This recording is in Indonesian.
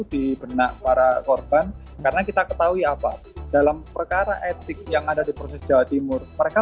di benak para korban karena kita ketahui apa dalam perkara etik yang ada di proses jawa timur mereka